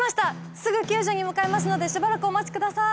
すぐ救助に向かいますのでしばらくお待ち下さい。